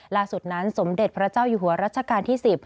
ล่าสุดนั้นสมเด็จพระเจ้าอยู่หัวรัชกาลที่๑๐